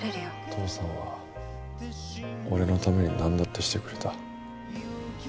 父さんは俺のためになんだってしてくれた。